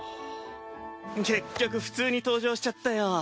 結局普通に登場しちゃったよ。